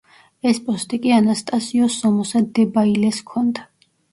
ეს პოსტი კი ანასტასიო სომოსა დებაილეს ჰქონდა.